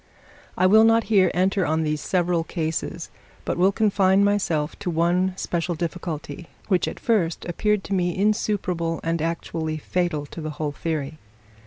I will not here enter on these several cases, but will confine myself to one special difficulty, which at first appeared to me insuperable, and actually fatal to the whole theory.